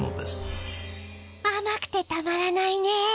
あまくてたまらないね。